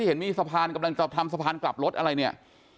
เห็นมีสะพานกำลังจะทำสะพานกลับรถอะไรเนี่ย